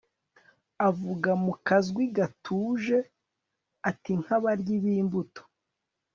avuga mukazwi gatuje atinkabaryi bimbuto